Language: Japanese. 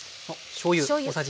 しょうゆ。